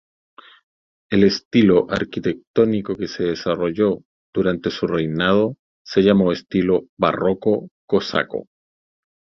El estilo arquitectónico que se desarrolló durante su reinado se llamó estilo barroco cosaco.